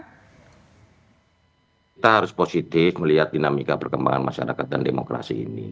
kita harus positif melihat dinamika perkembangan masyarakat dan demokrasi ini